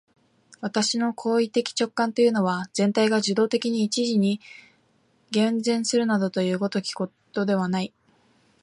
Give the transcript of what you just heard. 私の行為的直観というのは、全体が受働的に一時に現前するなどいう如きことではない。